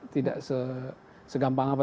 tidak segampang apa